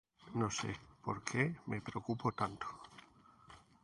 no sé por qué me preocupo tanto